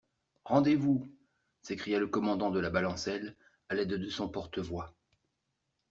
Rendez-vous ! s'écria le commandant de la balancelle, à l'aide de son porte-voix.